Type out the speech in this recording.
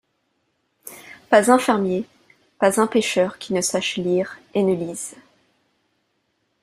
Pas un fermier, pas un pêcheur qui ne sache lire et ne lise.